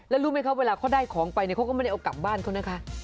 แล้วรู้ไหมคะเวลาเขาได้ของไปเนี่ยเขาก็ไม่ได้เอากลับบ้านเขานะคะ